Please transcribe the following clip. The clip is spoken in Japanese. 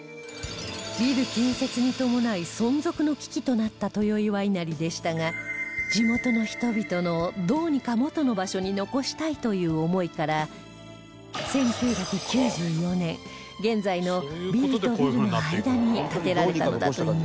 ビル建設に伴い存続の危機となった豊岩稲荷でしたが地元の人々のどうにか元の場所に残したいという思いから１９９４年現在のビルとビルの間に建てられたのだといいます